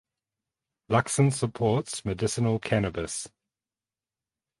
Luxon supports medicinal cannabis.